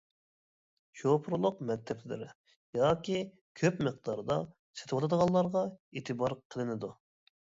شوپۇرلۇق مەكتەپلىرى، ياكى كۆپ مىقداردا سېتىۋالىدىغانلارغا ئېتىبار قىلىنىدۇ.